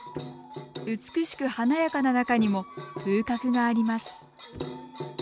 美しく華やかな中にも風格があります。